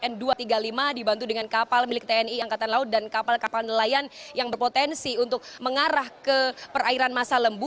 ini juga terbantu dengan kapal milik tni angkatan laut dan kapal kapal nelayan yang berpotensi untuk mengarah ke perairan masa lembu